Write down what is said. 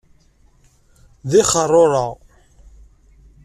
D ixeṛṛurra!